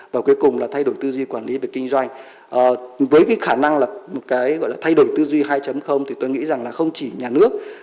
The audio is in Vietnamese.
và cuối cùng là thay đổi tư duy quản lý về kinh doanh với cái khả năng là một cái gọi là thay đổi tư duy hai thì tôi nghĩ rằng là không chỉ nhà nước